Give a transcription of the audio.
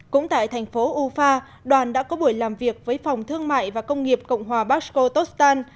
cũng tại thành phố ufa đoàn đã có buổi làm việc với phòng thương mại và công nghiệp cộng hòa bashkotostan